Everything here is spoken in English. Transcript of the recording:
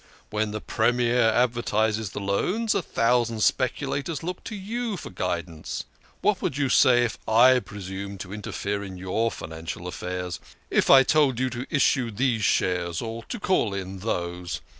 When the Premier advertises the loans, a thousand specula tors look to you for guidance. What would you say if 1 presumed to interfere in your financial affairs if I told you to issue these shares or to call in those?